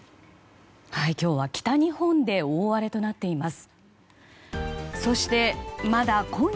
今日は北日本で大荒れとなっています。